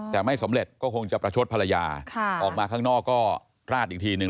แต่ไม่สำเร็จก็คงจะประชดภรรยาออกมาข้างนอกก็ราดอีกทีนึง